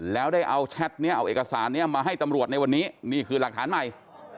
แล้วได้เอาแชทนี้เอาเอกสารนี้มาให้ตำรวจในวันนี้นี่คือหลักฐานใหม่